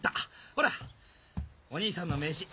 ほらお兄さんの名刺。